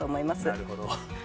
なるほど。